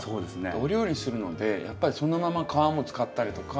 お料理するのでやっぱりそのまま皮も使ったりとかしたいので。